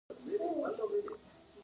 د اق کپروک سیمه د تیږې د دورې نښې لري